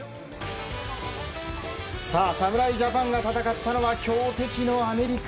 侍ジャパンが戦ったのは強敵のアメリカ。